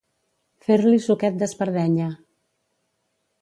Fer-li suquet d'espardenya.